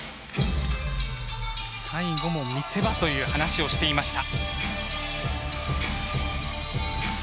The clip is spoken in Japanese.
最後も見せ場という話をしていました。